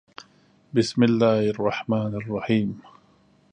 《بِسْمِ اللَّـهِ الرَّحْمَـٰنِ الرَّحِيمِ》